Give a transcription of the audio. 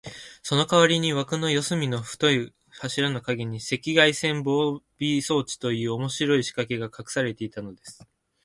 そのかわりに、わくの四すみの太い柱のかげに、赤外線防備装置という、おそろしいしかけがかくされていたのです。